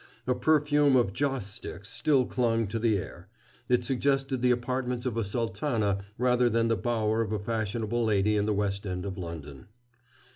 A perfume of joss sticks still clung to the air: it suggested the apartments of a Sultana rather than the bower of a fashionable lady in the West End of London.